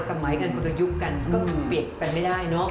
สมัยกันคนโดยยุคกันก็เปรียบเป็นไม่ได้เนอะ